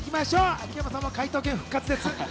秋山さんの解答権、復活です。